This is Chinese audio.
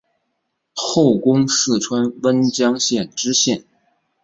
后官四川温江县知县。